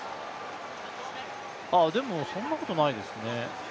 でも、そんなことないですね。